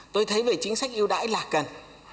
tôi thấy về chính sách ưu đãi là cần